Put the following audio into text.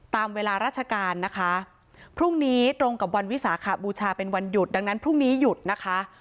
ตามเวลาราชการนะคะพรุ่งนี้ตรงกับวันวิสาขบูชาเป็นวันหยุดดังนั้นพรุ่งนี้หยุดนะคะ